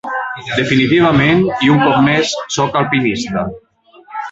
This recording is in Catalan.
Definitivament, i un cop més, soc alpinista.